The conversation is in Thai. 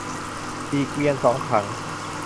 สี่เกวียน สองถัง